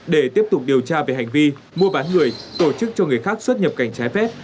để tiếp tục điều tra về hành vi mua bán người tổ chức cho người khác xuất nhập cảnh trái phép